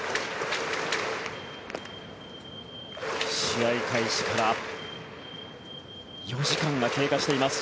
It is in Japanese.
試合開始から４時間が経過しています。